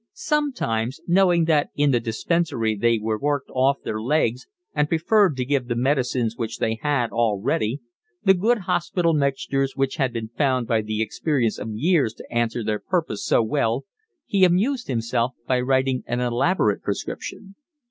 Sometimes, knowing that in the dispensary they were worked off their legs and preferred to give the medicines which they had all ready, the good hospital mixtures which had been found by the experience of years to answer their purpose so well, he amused himself by writing an elaborate prescription.